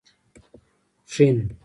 پښين